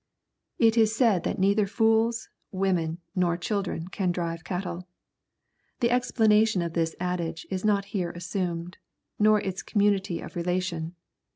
It is said that neither fools, women, nor children can drive cattle. The explanation of this adage is not here assumed, nor its community of relation.